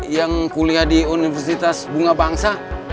yang kuliah di universitas bunga bangsa